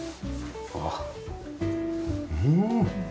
あっうーん！